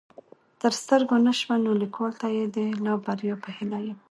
تر سترګو نه شوه نو ليکوال ته يې د لا بريا په هيله يم